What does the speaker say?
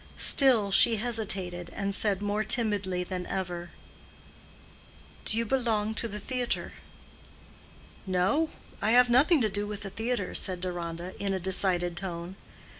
Still she hesitated, and said more timidly than ever, "Do you belong to the theatre?" "No; I have nothing to do with the theatre," said Deronda, in a decided tone.